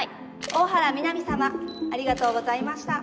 大原美波様ありがとうございました。